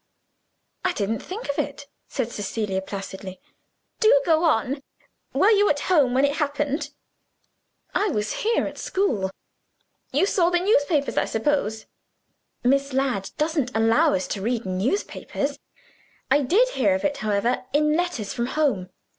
"I didn't think of it," said Cecilia placidly. "Do go on! Were you at home when it happened?" "I was here, at school." "You saw the newspapers, I suppose?" "Miss Ladd doesn't allow us to read newspapers. I did hear of it, however, in letters from home.